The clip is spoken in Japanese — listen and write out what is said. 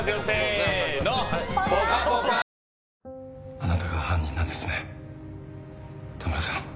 あなたが犯人なんですね田村さん。